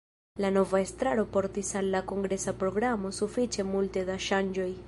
La nova estraro portis al la kongresa programo sufiĉe multe da ŝanĝoj.